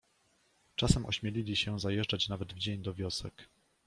Czasem ośmielili się zajeżdżać nawet w dzień do wiosek.